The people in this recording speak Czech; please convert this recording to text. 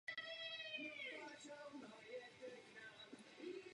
Proto byly poměrně krátké a byly k nim připraveny i další studijní materiály.